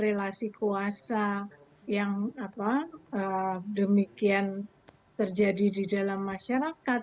relasi kuasa yang demikian terjadi di dalam masyarakat